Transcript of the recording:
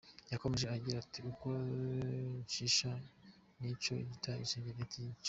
Yakomeje agira ati “Uko shisha yica niko n’isegereti ryica.